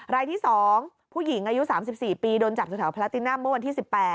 รายที่๒ผู้หญิงอายุ๓๔ปีโดนจับแถวพลาตินัมเมื่อวันที่๑๘